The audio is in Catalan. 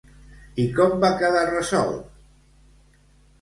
I com va quedar resolt?